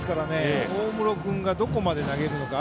大室君がどこまで投げるのか。